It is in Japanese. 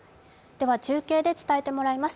中継で伝えてもらいます。